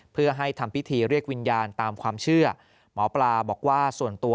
เพื่อให้ทำพิธีเรียกวิญญาณตามความเชื่อหมอปลาบอกว่าส่วนตัว